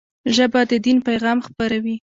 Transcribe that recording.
ژبه د دین پيغام خپروي